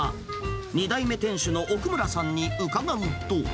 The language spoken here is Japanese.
２代目店主の奥村さんに伺うと。